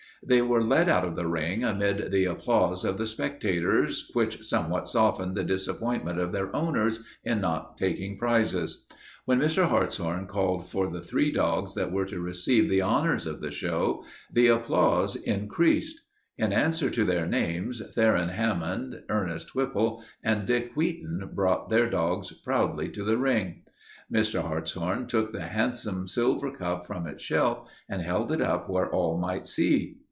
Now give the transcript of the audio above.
They were led out of the ring amid the applause of the spectators, which somewhat softened the disappointment of their owners in not taking prizes. When Mr. Hartshorn called for the three dogs that were to receive the honors of the show, the applause increased. In answer to their names, Theron Hammond, Ernest Whipple, and Dick Wheaton brought their dogs proudly to the ring. Mr. Hartshorn took the handsome silver cup from its shelf and held it up where all might see.